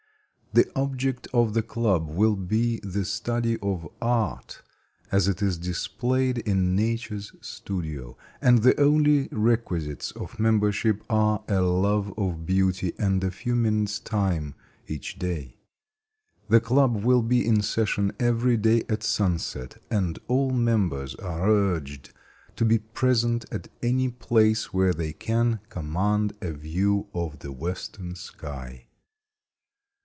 The object of the club will be the study of art, as it is displayed in Nature's studio; and the only requisites for membership are a love of beauty and a few minutes' time each day. The club will be in session every day at sunset, and all members are urged to be present at any place where they can command a view of the western sky.